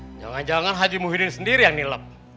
eh jangan jangan haji muhyiddin sendiri yang nilai